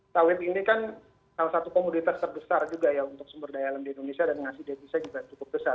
sawit ini kan salah satu komoditas terbesar juga ya untuk sumber daya alam di indonesia dan ngasih devisa juga cukup besar